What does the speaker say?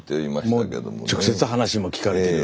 もう直接話も聞かれてる。